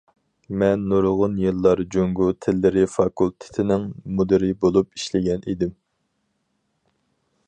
مەن نۇرغۇن يىللار جۇڭگو تىللىرى فاكۇلتېتىنىڭ مۇدىرى بولۇپ ئىشلىگەن ئىدىم.